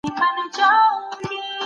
مثبت فکر ځواک نه دروي.